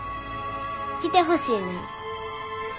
来てほしいねん。